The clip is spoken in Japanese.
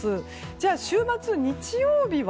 じゃあ週末、日曜日は。